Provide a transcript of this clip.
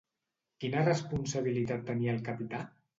Quina responsabilitat tenia el capità?